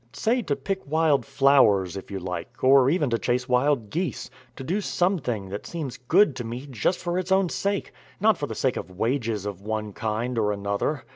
Say to pick wild flowers, if you like, or even to chase wild geese to do something that seems good to me just for its own sake, not for the sake of wages of one kind or another.